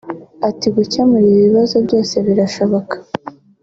Ati “Gukemura ibi bibazo byose birashoboka